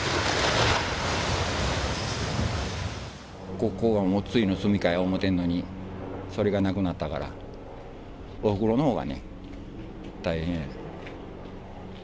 ここがもう、ついの住みかやと思うてるのに、それがなくなったから、おふくろのほうがね、大変やね。